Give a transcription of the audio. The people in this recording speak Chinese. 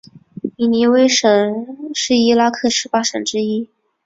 尼尼微省是伊拉克十八省之一。